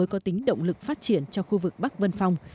cơ chế chính sách mang tính động lực phát triển cho khu vực bắc văn phong